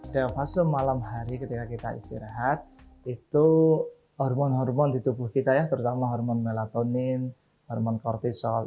dalam fase malam hari ketika kita istirahat itu hormon hormon di tubuh kita ya terutama hormon melatonin hormon kortisol